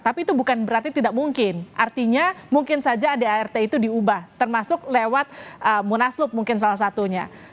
tapi itu bukan berarti tidak mungkin artinya mungkin saja adart itu diubah termasuk lewat munaslup mungkin salah satunya